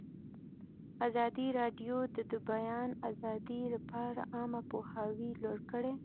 ازادي راډیو د د بیان آزادي لپاره عامه پوهاوي لوړ کړی.